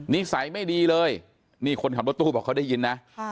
นิสัยไม่ดีเลยนี่คนขับรถตู้บอกเขาได้ยินนะ